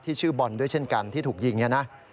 ที่ชื่อบอลด้วยเช่นกันที่ถูกยิงนะนะ